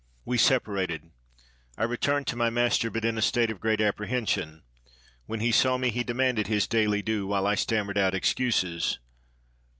"'We separated. I returned to my master, but in a state of great apprehension. When he saw me he de manded his daily due, while I stammered out excuses.